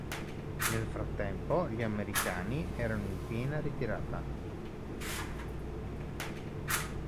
Nel frattempo, gli americani erano in piena ritirata.